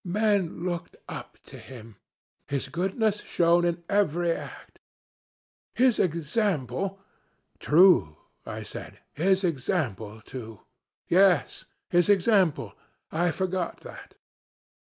'Men looked up to him, his goodness shone in every act. His example ' "'True,' I said; 'his example too. Yes, his example. I forgot that.'